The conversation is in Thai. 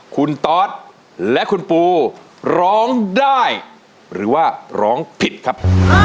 คุณตอสและคุณปูร้องได้หรือว่าร้องผิดครับ